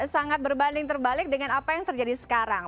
sangat berbanding terbalik dengan apa yang terjadi sekarang